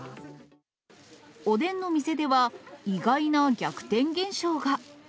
おでんの店では、意外な逆転現象が。